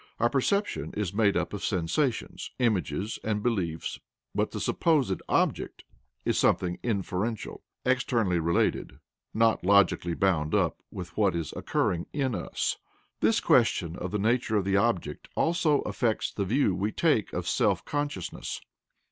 Our perception is made up of sensations, images and beliefs, but the supposed "object" is something inferential, externally related, not logically bound up with what is occurring in us. This question of the nature of the object also affects the view we take of self consciousness.